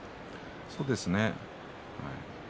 そうですね、はい。